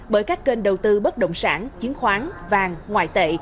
bởi các kênh đầu tư bất động sản chiến khoán vàng ngoại tệ